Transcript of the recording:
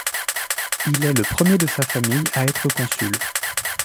Il est le premier de sa famille à être consul.